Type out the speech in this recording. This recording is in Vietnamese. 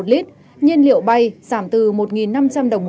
một lít nhiên liệu bay giảm từ một năm trăm linh đồng